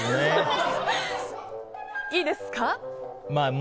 いいですか？